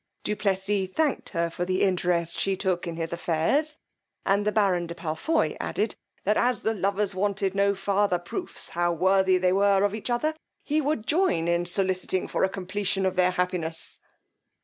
Du Plessis thanked her for the interest she took in his affairs; and the baron de Palfoy added, that as the lovers wanted no farther proofs how worthy they were of each other, he would join in solliciting for a completion of their happiness.